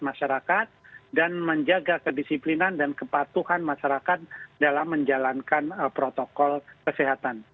masyarakat dan menjaga kedisiplinan dan kepatuhan masyarakat dalam menjalankan protokol kesehatan